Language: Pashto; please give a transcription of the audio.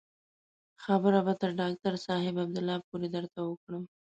خبره به تر ډاکتر صاحب عبدالله پورې درته وکړم.